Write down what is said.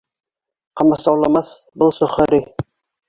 Ҡамасауламаҫ был сохари.